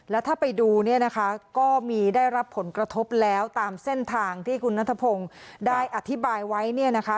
แล้วถ้าไปดูเนี่ยนะคะก็มีได้รับผลกระทบแล้วตามเส้นทางที่คุณนัทพงศ์ได้อธิบายไว้เนี่ยนะคะ